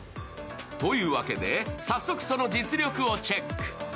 というわけで早速、その実力をチェック。